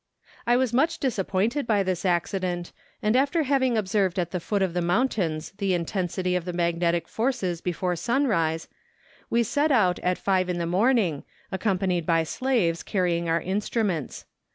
I was much disappointed by this accident, and after having observed at the foot of the mountain the intensity of the magnetic forces before sunrise, we set out at five in the morning, accompanied by slaves carrying our instruments.